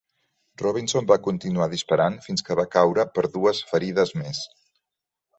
Robinson va continuar disparant fins que va caure per dues ferides més.